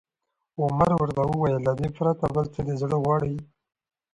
عمر ورته وویل: له دې پرته، بل څه دې زړه غواړي؟